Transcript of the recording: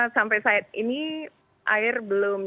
sampai saat ini air belum